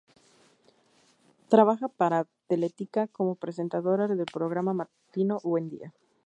Trabaja para Teletica como presentadora del programa matutino Buen Día.